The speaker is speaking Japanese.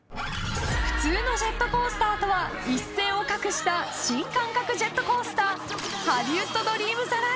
［普通のジェットコースターとは一線を画した新感覚ジェットコースター］